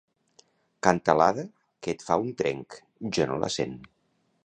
Cantalada que et fa un trenc, jo no la sent.